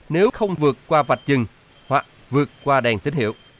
nếu không vượt qua vạch chừng hoặc vượt qua đèn tín hiệu